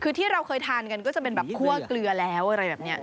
คือที่เราเคยทานกันก็จะเป็นแบบคั่วเกลือแล้วอะไรแบบนี้